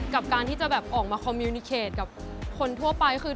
กับการที่จะแบบออกมาคอมมิวนิเคตกับคนทั่วไปคือ